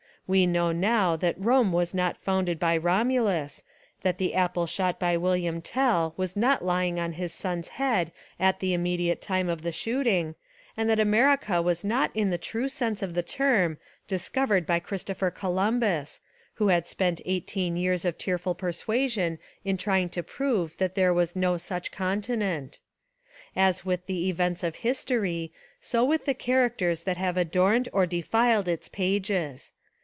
We know now that Rome was not founded by Romulus, that the apple shot by William Tell was not lying on his son's head at the immediate time of the shooting, and that America was not in the true sense of the term discovered by Christopher Columbus, who had spent eighteen years of tearful per suasion in trying to prove that there was no such continent. As with the events of history so with the characters that have adorned or defiled its pages.